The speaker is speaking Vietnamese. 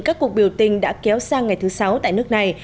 các cuộc biểu tình đã kéo sang ngày thứ sáu tại nước này